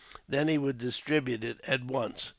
Then he would distribute it, at once.